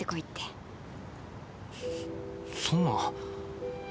そんな。